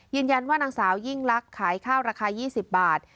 ยืนยันว่านางสายิ่งลักขายข้าวราคา๒๐บาท